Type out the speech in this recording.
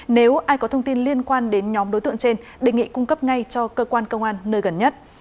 nếu ai có thông tin liên quan đến nhóm đối tượng trên đề nghị cung cấp ngay cho cơ quan công an nơi gần nhất